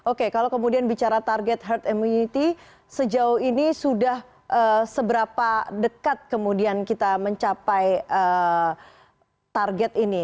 oke kalau kemudian bicara target herd immunity sejauh ini sudah seberapa dekat kemudian kita mencapai target ini